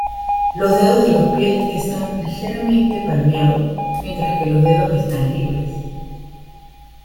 Los dedos de los pies están ligeramente palmeados mientras que los dedos están libres.